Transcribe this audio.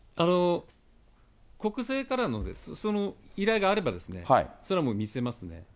国税からの依頼があれば、それはもう見せますね。